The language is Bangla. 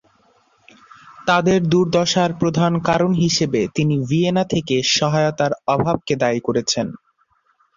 তাদের দুর্দশার প্রধান কারণ হিসেবে তিনি ভিয়েনা থেকে সহায়তার অভাবকে দায়ী করেছেন।